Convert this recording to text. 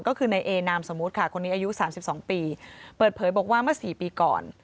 ก็คือในเอนามสมมุติค่ะคนนี้อายุ๓๒ปีเปิดเผยบอกว่าเมื่อสี่ปีก่อน